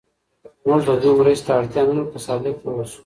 موږ د دوی مرستې ته اړتیا نه لرو که صادق واوسو.